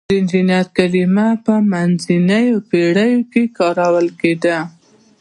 د انجینر کلمه په منځنیو پیړیو کې کارول کیده.